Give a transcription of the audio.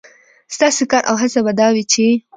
ستاسې کار او هڅه به دا وي، چې